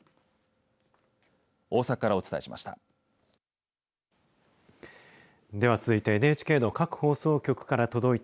大阪からお伝えしました。